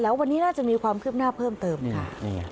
แล้ววันนี้น่าจะมีความคืบหน้าเพิ่มเติมค่ะ